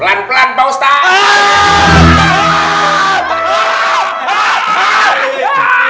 pelan pelan pak ustadz